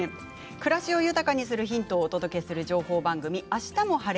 暮らしを豊かにするヒントをお届けする情報番組「あしたも晴れ！